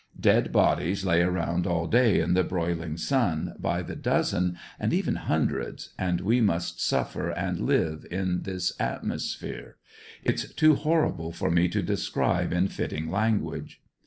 Dead bodies lay around all day in the broiling sun, by the dozen and even hundreds, and we must suffer and live in this atmosphere. It's too horrible for me to describe in fitting lan guage.